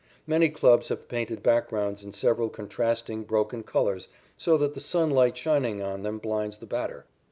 Many clubs have painted backgrounds in several contrasting, broken colors so that the sunlight, shining on them, blinds the batter.